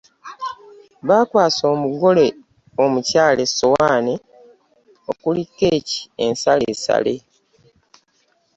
Bakwasa omugole omukyala essowaani okuli keeki ensaleesale.